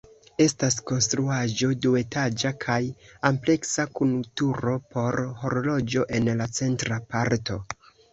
Estas konstruaĵo duetaĝa kaj ampleksa kun turo por horloĝo en la centra parto.